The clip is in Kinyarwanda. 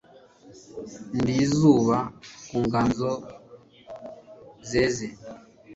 ndi izuba ku ngano zeze